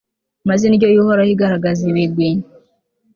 maze indyo y'uhoraho igaragaza ibigwi